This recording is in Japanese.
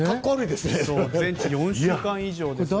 全治４週間以上ですよ。